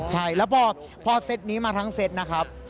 ใช่แล้วพอเซตนี้มาทั้งเซตนะครับ